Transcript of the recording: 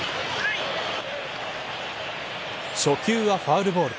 初球はファウルボール。